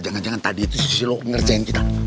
jangan jangan tadi itu si lo ngerjain kita